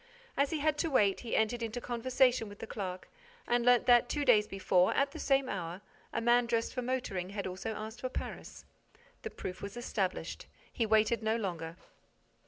As he had to wait, he entered into conversation with the clerk and learnt that, two days before, at the same hour, a man dressed for motoring had also asked for Paris. The proof was established. He waited no longer.